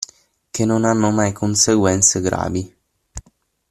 Che non hanno mai conseguenze gravi.